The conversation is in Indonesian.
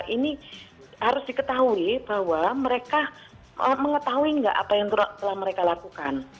ini harus diketahui bahwa mereka mengetahui nggak apa yang telah mereka lakukan